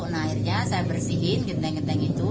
nah akhirnya saya bersihin genteng genteng itu